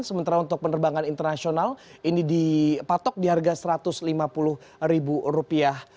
sementara untuk penerbangan internasional ini dipatok di harga rp satu ratus lima puluh